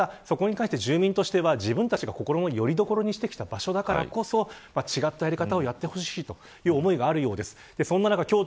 ただ、住民としては心のよりどころにしていた場所だからこそ違ったことをやってほしいという思いがあるようです。